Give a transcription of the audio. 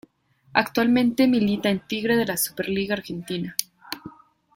Actualmente milita en Tigre de la Superliga Argentina.